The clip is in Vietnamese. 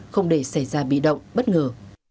không để xảy ra bị động bất ngờ